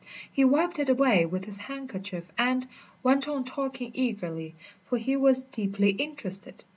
He wiped it away with his handkerchief, and went on talking eagerly, for he was deeply interested.